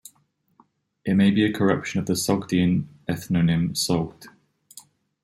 It may be a corruption of the Sogdian ethnonym Soghd.